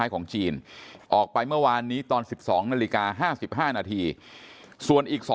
ของจีนออกไปเมื่อวานนี้ตอน๑๒นาฬิกา๕๕นาทีส่วนอีก๒